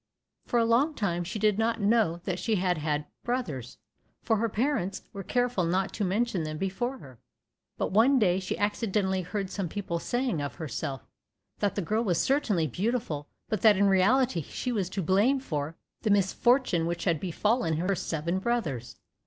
For a long time she did not know that she had had brothers, for her parents were careful not to mention them before her, but one day she accidentally heard some people saying of herself, "that the girl was certainly beautiful, but that in reality she was to blame for the misfortune which had befallen her seven brothers."